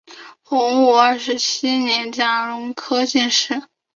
洪武二十七年甲戌科进士。